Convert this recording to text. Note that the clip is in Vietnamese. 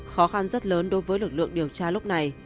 khó khăn rất lớn đối với lực lượng điều tra lúc này